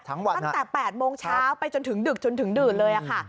ตั้งแต่๘โมงเช้าไปจนถึงดึกจนถึงดื่นเลยค่ะ